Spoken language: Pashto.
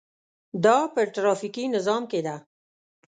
دا په ټرافیکي نظام کې ده.